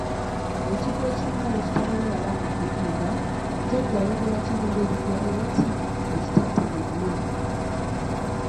Ekigwo ekimu nga bwe kitalobera baana kuyimba, Jjajja yayogera kimu ng'erinnya lye nti, "ekitatta muyima."